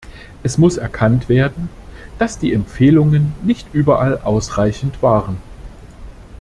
Es muss erkannt werden, dass die Empfehlungen nicht überall ausreichend waren.